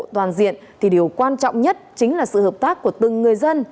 toàn diện thì điều quan trọng nhất chính là sự hợp tác của từng người dân